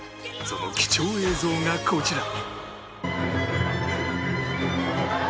その貴重映像がこちら